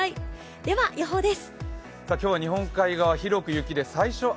では、予報です。